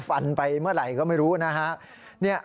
ไปเมื่อไหร่ก็ไม่รู้นะฮะ